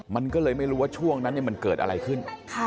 มันก็เลยไม่รู้ว่าช่วงนั้นมันเกิดอะไรขึ้น